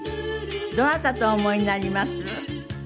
どなたとお思いになります？